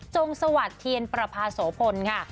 งสวัสดิ์เทียนประพาโสพลค่ะ